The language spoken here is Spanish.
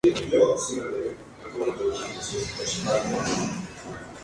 Los papeles rayados aumentan el contraste, facilitando esta actividad.